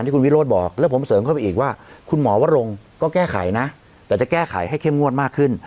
ก็แก้ไขนะแต่จะแก้ไขให้เข้มงวดมากขึ้น